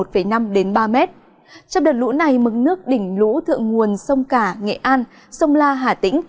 trong đợt lũ này mức nước đỉnh lũ thượng nguồn sông cả nghệ an sông la hà tĩnh